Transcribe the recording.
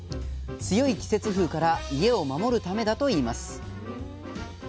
強い季節風から家を守るためだといいます。